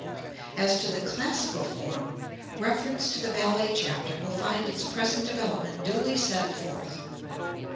As to the classical form, reference to the ballet chapter will find its present development duly set forth.